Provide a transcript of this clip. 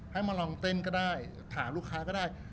ให้มาลองเต้นก็ได้ถามลูกค้าก็ได้